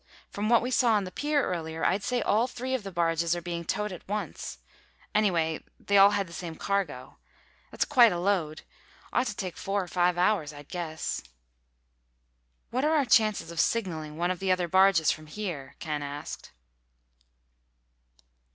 From what we saw on the pier earlier, I'd say all three of the barges are being towed at once—anyway, they all had the same cargo. That's quite a load. Ought to take four or five hours, I'd guess." "What are our chances of signaling one of the other barges from here?" Ken asked.